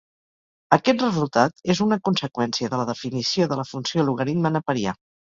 Aquest resultat és una conseqüència de la definició de la funció logaritme neperià.